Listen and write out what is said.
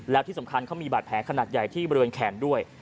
แล้วที่สำคัญเขามีบาดแผลขนาดใหญ่ที่บริเวณแขนด้วย